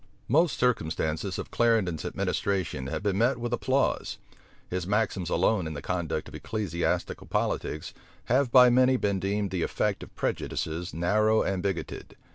Most circumstances of Clarendon's administration have met with applause: his maxims alone in the conduct of ecclesiastical politics have by many been deemed the effect of prejudices narrow and bigoted.